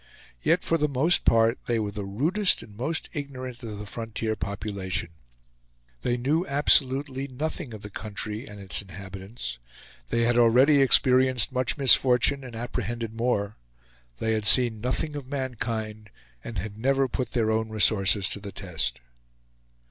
Yet, for the most part, they were the rudest and most ignorant of the frontier population; they knew absolutely nothing of the country and its inhabitants; they had already experienced much misfortune, and apprehended more; they had seen nothing of mankind, and had never put their own resources to the test.